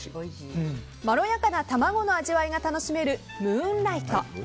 まろやかな卵の味わいが楽しめるムーンライト。